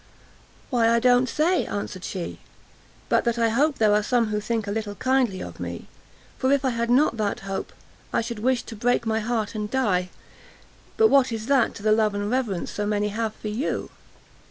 "Why I don't say," answered she, "but that I hope there are some who think a little kindly of me, for if I had not that hope, I should wish to break my heart and die! but what is that to the love and reverence so many have for you?"